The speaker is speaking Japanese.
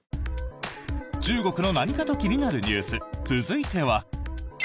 中国の何かと気になるニュース続いては。